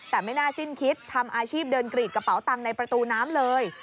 แต่ไม่น่าสิ้นคิดทำอาชีพเดินกรีดกระเป๋าตังค์ในประตูน้ำเลย